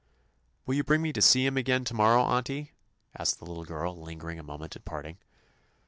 "Will you bring me to see him again to morrow, Auntie?" asked the little girl, lingering a moment at parting.